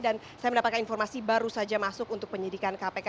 dan saya mendapatkan informasi baru saja masuk untuk penyidikan kpk